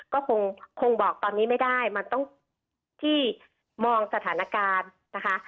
ก็คงบอกตอนนี้ไม่ได้มันต้องที่มองสถานการณ์นะคะ